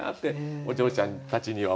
お嬢ちゃんたちには思います。